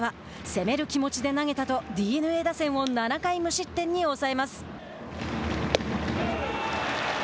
攻める気持ちで投げたとＤｅＮＡ打線を７回無失点に抑えます。